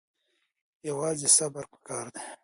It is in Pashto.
یوازې صبر پکار دی.